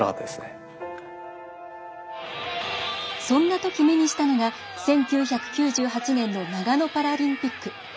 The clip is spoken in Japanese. そんなとき目にしたのが１９９８年の長野パラリンピック。